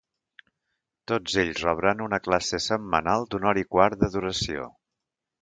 Tots ells rebran una classe setmanal d’una hora i quart de duració.